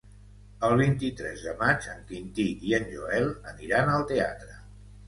El vint-i-tres de maig en Quintí i en Joel aniran al teatre.